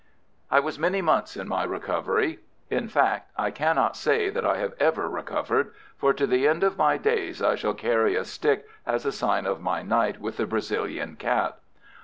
I was many months in my recovery—in fact, I cannot say that I have ever recovered, for to the end of my days I shall carry a stick as a sign of my night with the Brazilian cat.